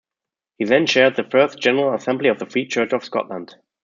He then chaired the first General Assembly of the Free Church of Scotland.